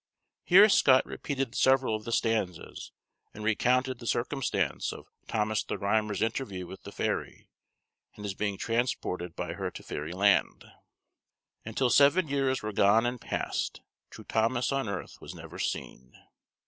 '" Here Scott repeated several of the stanzas and recounted the circumstance of Thomas the Rhymer's interview with the fairy, and his being transported by her to fairy land "And til seven years were gone and past, True Thomas on earth was never seen."